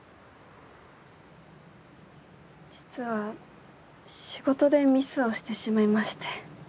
実は仕事でミスをしてしまいまして。